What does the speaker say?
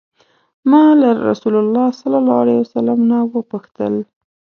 ما له رسول الله صلی الله علیه وسلم نه وپوښتل.